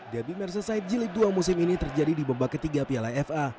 debbie mersoside jilid dua musim ini terjadi di babak ketiga piala fa